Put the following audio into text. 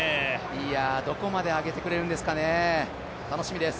どこまで上げてくれるんですかね、楽しみです。